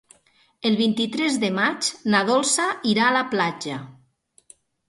El vint-i-tres de maig na Dolça irà a la platja.